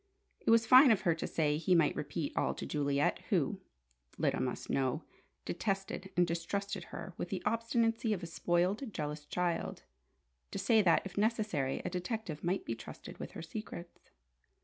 It was fine of her to say he might repeat all to Juliet, who Lyda must know detested and distrusted her with the obstinacy of a spoiled, jealous child: to say that, if necessary, a detective might be trusted with her secrets.